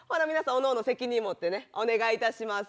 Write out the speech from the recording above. おのおの責任持ってねお願いいたします。